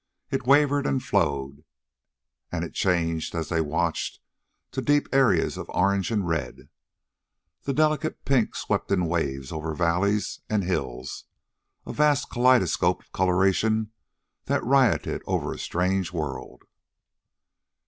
It wavered and flowed, and it changed, as they watched, to deep areas of orange and red. The delicate pink swept in waves over valleys and hills, a vast kaleidoscopic coloration that rioted over a strange world.